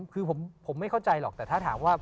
คือผมไม่เข้าใจหรอกแต่ถ้าถามว่า